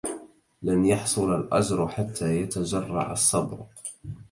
لن يحصل الأجر حتى يتجرّع الصّبر.